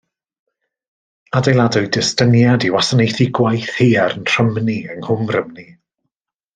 Adeiladwyd estyniad i wasanaethu gwaith haearn Rhymni yng Nghwm Rhymni.